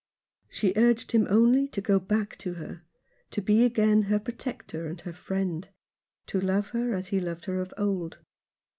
She urged him only to go back to her ; to be again her protector and her friend ; to love her as he loved her of old.